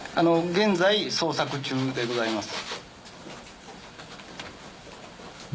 現在捜索中でございます。